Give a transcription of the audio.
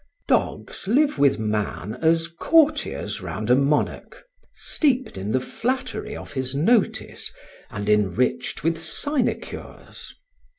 Dogs live with man as courtiers round a monarch, steeped in the flattery of his notice and enriched with sinecures.